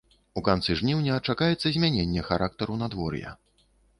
У канцы жніўня чакаецца змяненне характару надвор'я.